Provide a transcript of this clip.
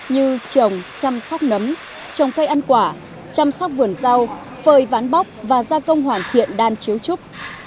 như trồng chăm sóc nấm trồng cây ăn quả chăm sóc vườn rau phơi ván bóc và gia công hoàn thiện đan chiếu trúc